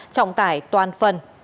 trọng tải toàn phần